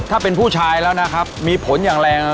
ถ้าเป็นผู้ชายแล้วนะครับมีผลอย่างแรง